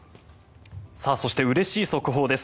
そしてうれしい速報です。